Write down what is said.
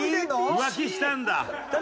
浮気したんだ。